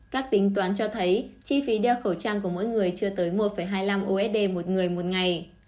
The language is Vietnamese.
các tính toán cho thấy chi phí đeo khẩu trang của mỗi người chưa tới một hai mươi năm usd một người một ngày